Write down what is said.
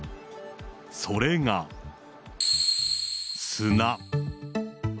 それが、砂。